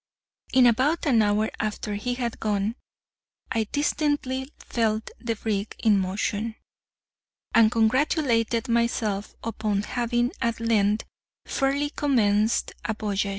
In about an hour after he had gone I distinctly felt the brig in motion, and congratulated myself upon having at length fairly commenced a voyage.